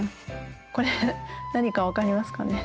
これ何か分かりますかね？